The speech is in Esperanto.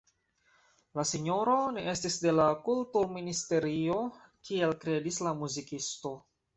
La sinjoro ne estis de la Kulturministerio kiel kredis la muzikisto.